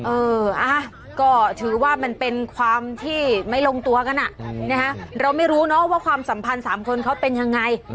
เออก็ถือว่ามันเป็นความที่ไม่ลงตัวกันเราไม่รู้เนอะว่าความสัมพันธ์๓คนเขาเป็นยังไง